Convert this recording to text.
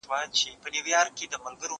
زه پرون د کتابتون د کار مرسته وکړه؟!